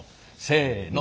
せの。